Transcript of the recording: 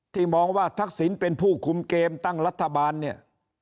มองว่าทักษิณเป็นผู้คุมเกมตั้งรัฐบาลเนี่ย